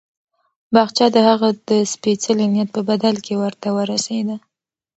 باغچه د هغه د سپېڅلي نیت په بدل کې ورته ورسېده.